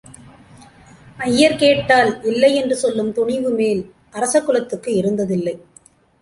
ஐயர் கேட்டால் இல்லை என்று சொல்லும் துணிவு மேல் அரசகுலத்துக்கு இருந்தது இல்லை.